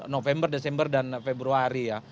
november desember dan februari ya